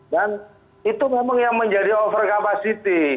dan itu memang yang menjadi over capacity